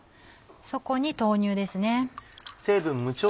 そこに豆乳です。